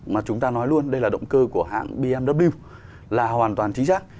mà chúng ta nói luôn đây là động cơ của hãng bmw là hoàn toàn chính xác